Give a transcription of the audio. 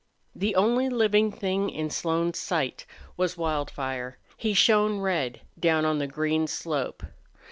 The only living thing in Slone's sight was Wildfire. He shone red down on the green slope.